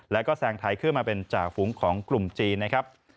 แล้วก็แซงไทยขึ้นมาเป็นจ่าฝูงของกลุ่มจีนนะครับ